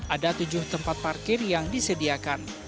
ada tujuh tempat parkir yang disediakan